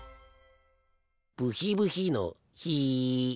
ブヒブヒのヒ。